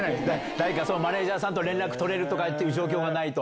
誰かその、マネージャーさんと、連絡取れるとかっていう状況がないと。